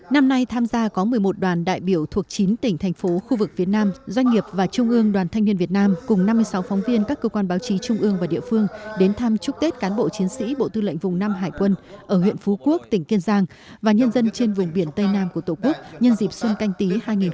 năm nay tham gia có một mươi một đoàn đại biểu thuộc chín tỉnh thành phố khu vực việt nam doanh nghiệp và trung ương đoàn thanh niên việt nam cùng năm mươi sáu phóng viên các cơ quan báo chí trung ương và địa phương đến thăm chúc tết cán bộ chiến sĩ bộ tư lệnh vùng năm hải quân ở huyện phú quốc tỉnh kiên giang và nhân dân trên vùng biển tây nam của tổ quốc nhân dịp xuân canh tí hai nghìn hai mươi